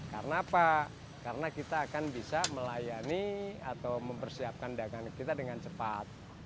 karena apa karena kita akan bisa melayani atau mempersiapkan dagang kita dengan cepat